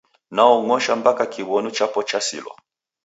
Naog'osha mpaka kiwonu chapo chasilwa.